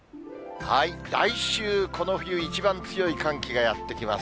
来週、この冬一番強い寒気がやって来ます。